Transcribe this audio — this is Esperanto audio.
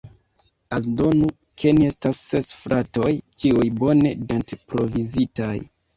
Aldonu, ke ni estas ses fratoj, ĉiuj bone dent-provizitaj.